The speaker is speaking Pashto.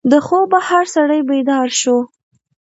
د خوبه هر سړی بیدار شو.